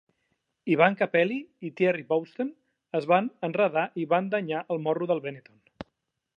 Ivan Capelli i Thierry Boutsen es van enredar i van danyar el morro del Benetton.